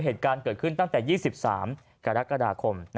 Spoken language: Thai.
เหตุการณ์เกิดขึ้นตั้งแต่๒๓กรกฎาคม